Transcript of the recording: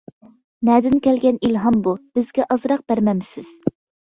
نەدىن كەلگەن ئىلھام بۇ، بىزگە ئازراق بەرمەمسىز.